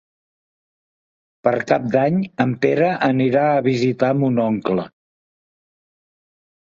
Per Cap d'Any en Pere anirà a visitar mon oncle.